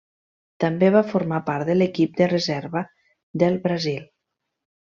També va formar part de l'equip de reserva del Brasil.